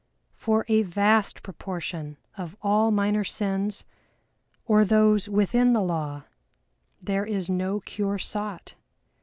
For a vast proportion of all minor sins, or those within the law, there is no cure sought.